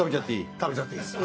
食べちゃっていいです。